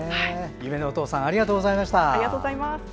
ゆめのお父さんありがとうございました。